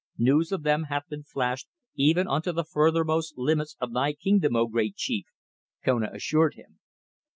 "News of them hath been flashed even unto the furthermost limits of thy kingdom, O Great Chief," Kona assured him.